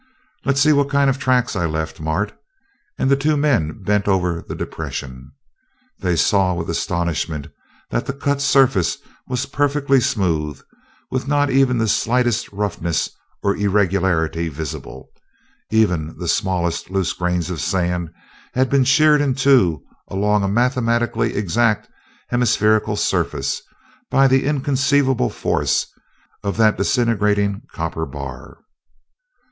"Let's see what kind of tracks I left, Mart," and the two men bent over the depression. They saw with astonishment that the cut surface was perfectly smooth, with not even the slightest roughness or irregularity visible. Even the smallest loose grains of sand had been sheared in two along a mathematically exact hemispherical surface by the inconceivable force of the disintegrating copper bar.